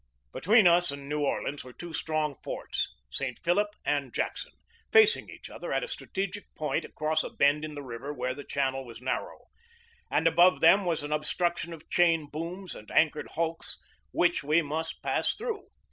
Between us and New Orleans were the two strong forts, St. Philip and Jackson, facing each other at a BEGINNING OF THE CIVIL WAR 55 strategic point across a bend in the river where the channel was narrow; and above them was an ob struction of chain booms and anchored hulks, which we must pass through.